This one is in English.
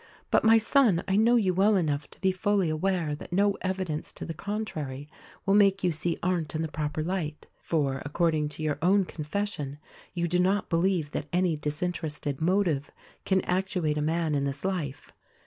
But, my son, I know you well enough to be fully aware that no evidence to the con trary will make you see Arndt in the proper light; for, according to your own confession, you do not believe that any disinterested motive can actuate a man in this life.